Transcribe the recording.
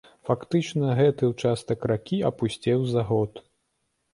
Фактычна гэты ўчастак ракі апусцеў за год.